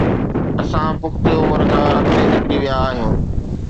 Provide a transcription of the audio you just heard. اسان پختي عمر کان اڳتي نڪري ويا آهيون.